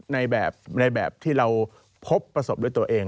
ในแบบในแบบที่เราพบประสบด้วยตัวเอง